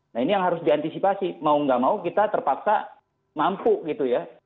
nah ini yang harus diantisipasi mau nggak mau kita terpaksa mampu gitu ya